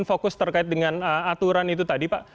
fokus terkait dengan aturan itu tadi pak